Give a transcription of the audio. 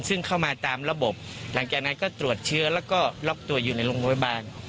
ซึ่งเข้ามาตามระบบหลังจากนั้นก็ตรวจเชื้อแล้วก็ล็อกตัวอยู่ในโรงพยาบาล